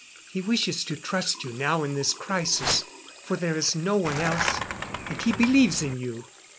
He wishes to trust you now in this crisis, for there is no one else, and he believes in you."